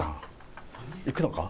いくのか？